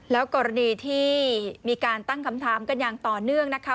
แล้วกรณีที่มีการตั้งคำถามกันอย่างต่อเนื่องนะคะ